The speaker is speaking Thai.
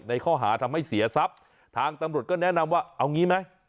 ในข้อหาทำให้เสียทรัพย์ทางตำรวจก็แนะนำว่าเอางี้ไหม